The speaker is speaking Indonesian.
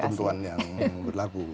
kita akan ikuti ketentuan yang berlaku